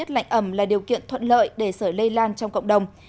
tầm là điều kiện thuận lợi để sởi lây lan trong cộng đồng